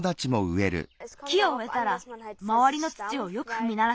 木をうえたらまわりの土をよくふみならす。